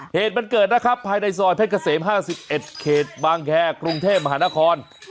เหตุมันเกิดนะครับภายในซอยเพชรเกษม๕๑เขตบางแคร์กรุงเทพมหานคร